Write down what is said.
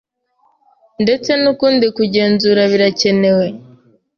ndetse n'ukundi kugenzura biracyenewe